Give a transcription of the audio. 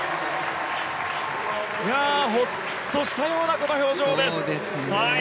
ほっとしたようなこの表情です。